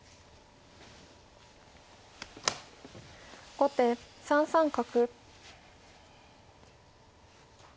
後手３三角。